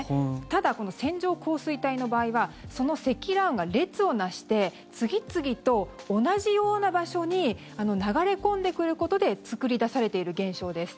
ただ、この線状降水帯の場合はその積乱雲が列を成して次々と同じような場所に流れ込んでくることで作り出されている現象です。